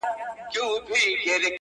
o د زرو قدر زرگر لري.